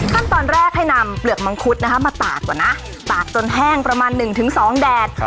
ขั้นตอนแรกให้นำเปลือกมังคุดนะคะมาตากก่อนนะตากจนแห้งประมาณ๑๒แดด